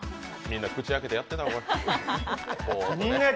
みんな口開けてやってたわ。